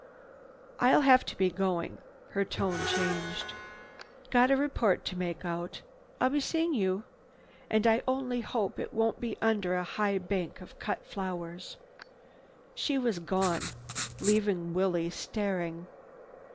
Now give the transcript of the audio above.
"I—I'll have to be going." Her tone changed. "Got a report to make out. I'll be seeing you. And I only hope it won't be under a high bank of cut flowers." She was gone, leaving Willie staring.